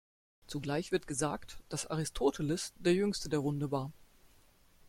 Zugleich wird gesagt, dass Aristoteles der jüngste der Runde war.